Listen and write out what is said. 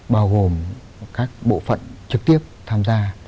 bao gồm các bộ phận trực tiếp tham gia